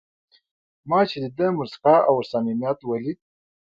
ما چې د ده موسکا او صمیمیت ولید.